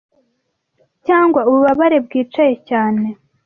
cyangwa ububabare bwicaye cyane